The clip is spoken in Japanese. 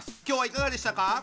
今日はいかがでしたか？